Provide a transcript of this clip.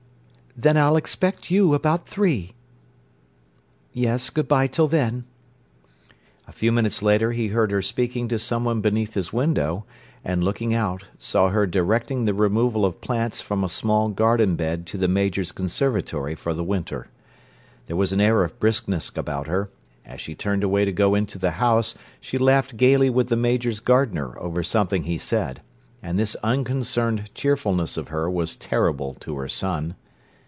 Then I'll expect you about three... Yes. Good bye till then." A few minutes later he heard her speaking to someone beneath his window and, looking out, saw her directing the removal of plants from a small garden bed to the Major's conservatory for the winter. There was an air of briskness about her; as she turned away to go into the house, she laughed gaily with the Major's gardener over something he said, and this unconcerned cheerfulness of her was terrible to her son.